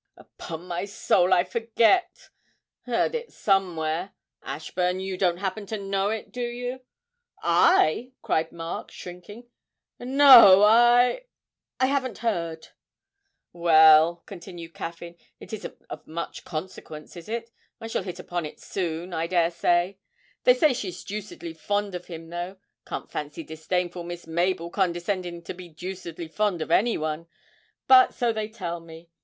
'Upon my soul I forget heard it somewhere. Ashburn, you don't happen to know it, do you?' 'I!' cried Mark, shrinking; 'no, I I haven't heard.' 'Well,' continued Caffyn, 'it isn't of much consequence, is it? I shall hit upon it soon, I dare say. They say she's deucedly fond of him, though. Can't fancy disdainful Miss Mabel condescending to be deucedly fond of any one but so they tell me.